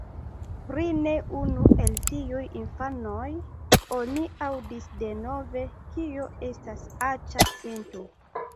Pri ne unu el tiuj infanoj oni aŭdis denove, kio estas aĉa sento.